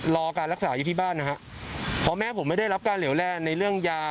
รอการรักษาอยู่ที่บ้านนะฮะเพราะแม่ผมไม่ได้รับการเหลวแร่ในเรื่องยา